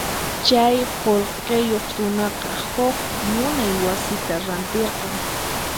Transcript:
Chay qullqiyuq runaqa huk munay wasita rantirqan.